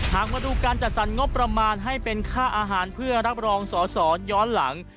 หากมาดูการจัดสรรงบประมาณให้เป็นค่าอาหารเพื่อรับรองสอสอย้อนหลัง